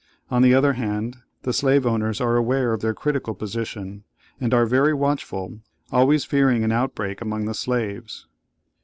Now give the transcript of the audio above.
On the other hand, the slave owners are aware of their critical position, and are ever watchful, always fearing an outbreak among the slaves.